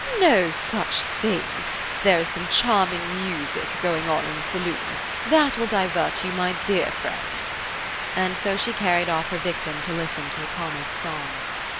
"No such thing; there is some charming music going on in the saloon. That will divert you, my dear friend," and so she carried off her victim to listen to a comic song.